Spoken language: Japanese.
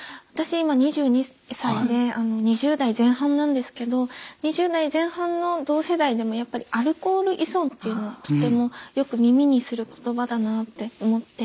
今２２歳で２０代前半なんですけど２０代前半の同世代でもやっぱりアルコール依存っていうのはとてもよく耳にする言葉だなって思って。